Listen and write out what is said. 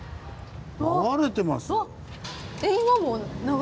流れてますよ。